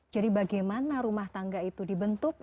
jadi bagaimana rumah tangga itu dibentuk